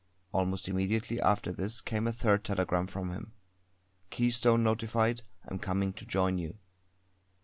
Almost immediately after this came a third telegram from him: "Keystone notified. Am coming to join you."